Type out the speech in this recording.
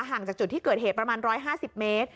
ห่างจากจุดที่เกิดเหตุประมาณ๑๕๐เมตร